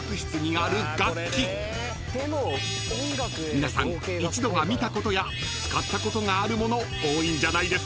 ［皆さん一度は見たことや使ったことがあるもの多いんじゃないですか？］